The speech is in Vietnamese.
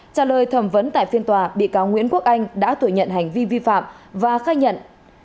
trả lời thẩm vấn tại phiên tòa bị cáo nguyễn quốc anh đã thừa nhận hành vi vi phạm và khai nhận